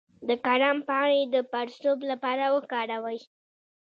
د کرم پاڼې د پړسوب لپاره وکاروئ